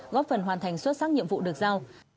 góp phần hoàn thành xuất sắc nhiệm vụ được giao